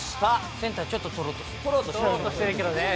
センターちょっと捕ろうとし捕ろうとしてるけどね。